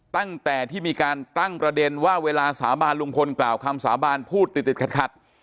ตั้งแต่ที่มีการตั้งประเด็นว่าเวลาสาบานลุงพลกล่าวคำสาบานพูดติดขัด